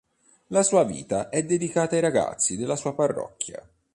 La sua vita è dedicata ai ragazzi della sua parrocchia.